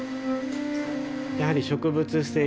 やはり植物性